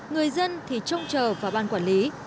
người dân thì trông chờ vào ban quản lý